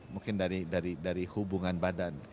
mungkin dari hubungan badan